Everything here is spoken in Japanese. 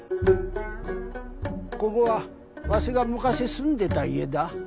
ここはわしが昔住んでた家だ。